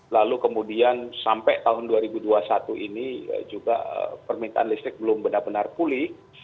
lalu kemudian sampai tahun dua ribu dua puluh satu ini juga permintaan listrik belum benar benar pulih